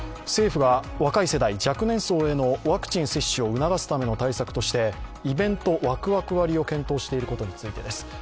政府は若い世代、若年層へのワクチン接種を促すための対策としてイベントワクワク割を検討していることについてです。